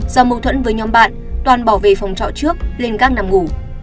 do mâu thuẫn với nhóm bạn toàn bảo về phòng trọ trước lên gác nằm ngủ